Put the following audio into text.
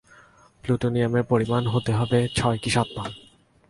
প্লুটোনিয়ামের পরিমাণ হতে হবে ছয় কি সাত পাউন্ড!